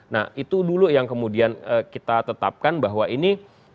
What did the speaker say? nah itu dulu yang kemudian kita tetapkan bahwa ini